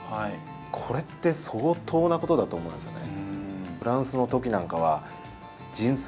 これって、相当なことだと思うんですよね。